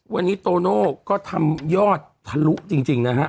วันนี้โตโน่ก็ทำยอดทะลุจริงนะฮะ